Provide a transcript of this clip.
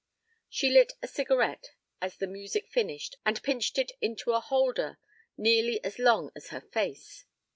She lit a cigarette as the music finished and pinched it into a holder nearly as long as her face.